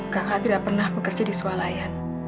kakak tidak pernah bekerja di suatu tempat